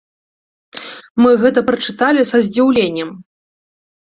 Мы гэта прачыталі са здзіўленнем.